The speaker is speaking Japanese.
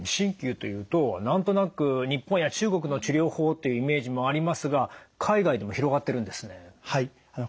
鍼灸というと何となく日本や中国の治療法っていうイメージもありますが海外でも広がってるんですね。